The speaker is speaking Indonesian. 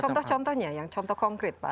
contoh contohnya yang contoh konkret pak